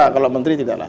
kalau menteri tidak lah